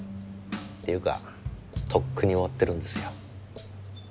ていうかとっくに終わってるんですよ。